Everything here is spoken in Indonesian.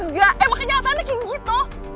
enggak emang kenyataannya kayak gitu